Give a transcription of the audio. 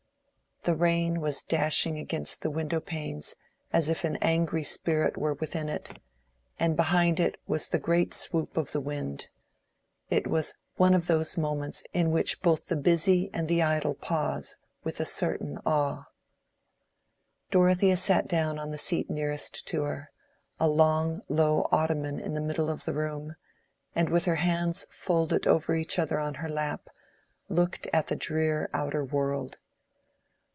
The rain was dashing against the window panes as if an angry spirit were within it, and behind it was the great swoop of the wind; it was one of those moments in which both the busy and the idle pause with a certain awe. Dorothea sat down on the seat nearest to her, a long low ottoman in the middle of the room, and with her hands folded over each other on her lap, looked at the drear outer world.